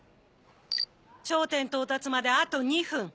頂点到達まであと２分。